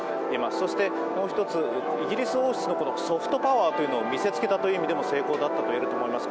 そしてもう一つイギリス王室のソフトパワーというものを見せつけたという点でも成功だといえると思います